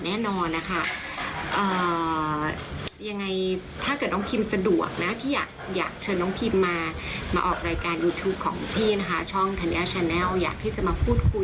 สะดวกนะขอเชิญนะคะ